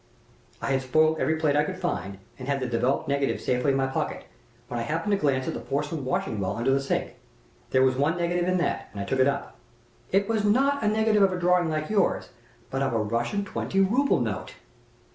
"I had spoiled every plate I could find, and had the developed negatives safely in my pocket, when I happened to glance at a porcelain washing well under the sink. There was one negative in that, and I took it up. It was not a negative of a drawing of yours, but of a Russian twenty ruble note!"